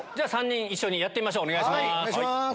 ３人一緒にやってみましょうお願いします。